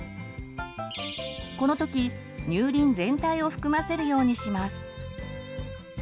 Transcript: この時乳輪全体を含ませるようにします。